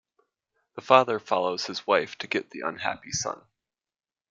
The father follows his wife to get the unhappy son.